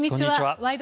「ワイド！